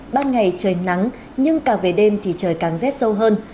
ban ngày trời nắng nhưng cả về đêm thì trời càng rét sâu hơn